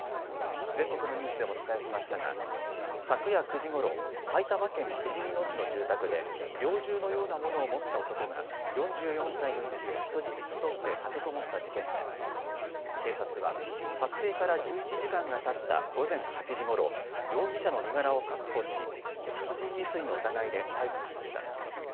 全国のニュースでもお伝えしましたが昨夜９時ごろ、埼玉県ふじみ野市の住宅で猟銃のようなものを持った男が４４歳の医師を人質に取って立てこもった事件で警察は発生から１１時間がたった午前８時ごろ、容疑者の身柄を確保し殺人未遂の疑いで逮捕しました。